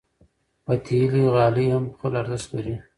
پتېلي غالۍ هم خپل ارزښت لري.